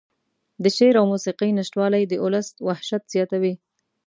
د شعر او موسيقۍ نشتوالى د اولس وحشت زياتوي.